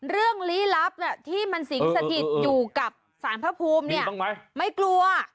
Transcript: เรื่องลี้รับที่สิอีกของสารพระภูมิไม่กลัว